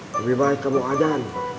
lebih baik kamu ajarin